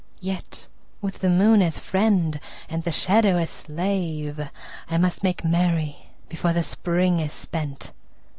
Yet with the moon as friend and the shadow as slave I must make merry before the Spring is spent.